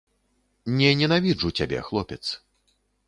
Не ненавіджу цябе, хлопец.